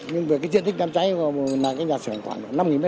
nhưng về cái diện tích đám cháy là cái nhà sửa khoảng năm m hai